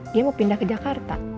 dia mau pindah ke jakarta